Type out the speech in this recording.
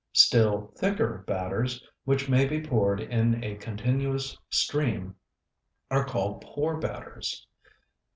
Still thicker batters, which may be poured in a continuous stream, are called pour batters.